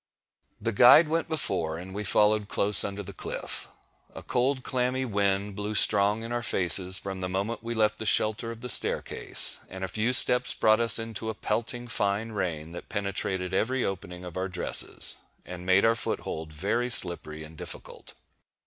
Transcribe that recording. The guide went before, and we followed close under the cliff. A cold clammy wind blew strong in our faces from the moment we left the shelter of the staircase; and a few steps brought us into a pelting, fine rain, that penetrated every opening of our dresses, and made our foothold very slippery and difficult.